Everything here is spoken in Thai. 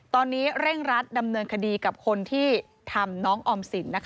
ตอนนี้เร่งรัดดำเนินคดีกับคนที่ทำน้องออมสิน